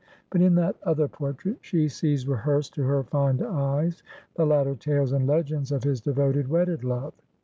But in that other portrait, she sees rehearsed to her fond eyes, the latter tales and legends of his devoted wedded love.